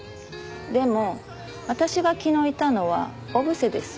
でも私が昨日いたのは小布施です。